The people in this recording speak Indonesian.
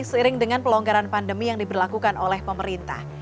seiring dengan pelonggaran pandemi yang diberlakukan oleh pemerintah